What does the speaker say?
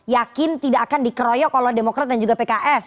yakin tidak akan dikeroyok oleh demokrat dan juga pks